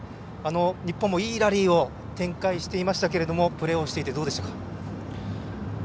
日本もいいラリーを展開していましたけれどもプレーをしていてどうでしたか。